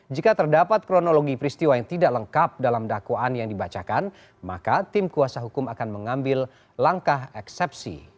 jika terdapat kronologi peristiwa yang tidak lengkap dalam dakwaan yang dibacakan maka tim kuasa hukum akan mengambil langkah eksepsi